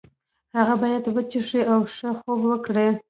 هغه باید وڅښي او ښه خوب وکړي.